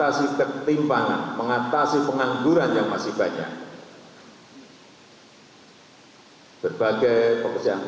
oleh sebab itu dengan mengucap bismillahirrahmanirrahim